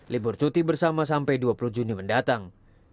libur cuti bersama sampai dua puluh juni mendatang